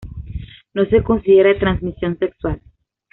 No se considera de transmisión sexual.